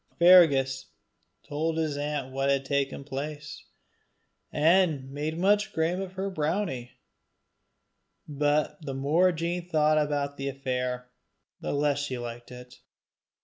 Fergus told his aunt what had taken place, and made much game of her brownie. But the more Jean thought about the affair, the less she liked it.